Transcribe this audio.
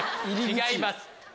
違います。